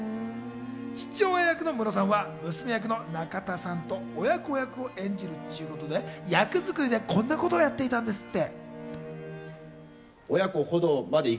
父親役のムロさんは娘役の中田さんと親子役を演じるということで、役作りでこんなことをやっていたんですって。